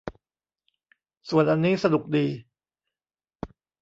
ส่วนอันนี้สนุกดี